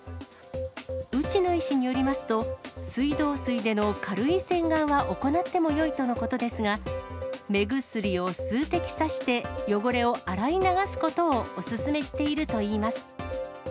内野医師によりますと、水道水での軽い洗眼は行ってもよいとのことですが、目薬を数滴さして、汚れを洗い流すことをお勧めしているといいます。